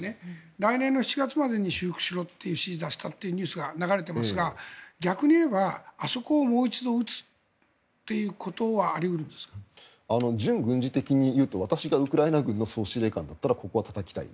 来年７月までに修復しろと指示出したというニュースが流れていますが逆に言えば、あそこをもう一度打つということは純軍事的に言うと私がウクライナ軍の総司令官だったらここはたたきたい。